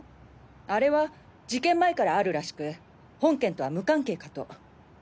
あれは事件前からあるらしく本件とは無関係かと。